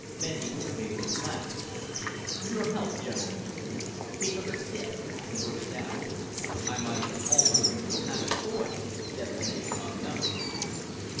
Bendy raised his glass. "Your health, gentlemen." He took a sip and put it down. "I might also drink to a happy voyage, destination unknown."